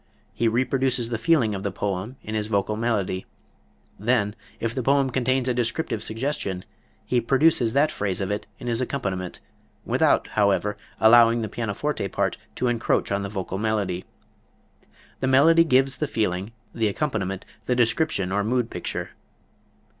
He reproduces the feeling of the poem in his vocal melody; then, if the poem contains a descriptive suggestion, he produces that phase of it in his accompaniment, without, however, allowing the pianoforte part to encroach on the vocal melody. The melody gives the feeling, the accompaniment the description or mood picture.